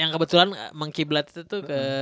yang kebetulan monkey blood itu tuh ke